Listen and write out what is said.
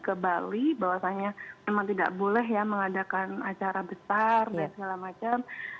ke bali bahwasannya memang tidak boleh ya mengadakan acara besar dan segala macam